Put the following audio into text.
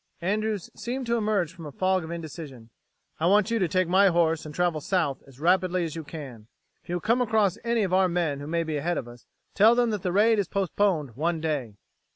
Andrews seemed to emerge from a fog of indecision. "I want you to take my horse and travel south as rapidly as you can. If you come across any of our men who may be ahead of us, tell them that the raid is postponed one day.